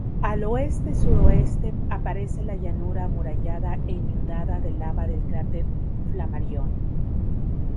Al oeste-suroeste aparece la llanura amurallada e inundada de lava del cráter Flammarion.